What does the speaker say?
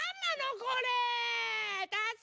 これ。